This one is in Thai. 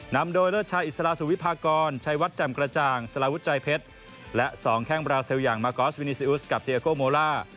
นำโดยเลิศชายอิสลาสุวิพากรชัยวัดแจ่มกระจ่างสลาวุฒิใจเพชรและ๒แข้งบราซิลอย่างมากอสวินิซีอุสกับเจโก้โมล่า